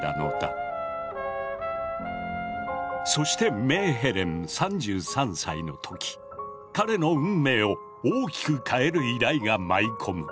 そしてメーヘレン３３歳の時彼の運命を大きく変える依頼が舞い込む。